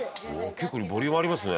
「結構ボリュームありますね」